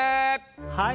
はい。